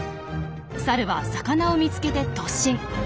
サルは魚を見つけて突進。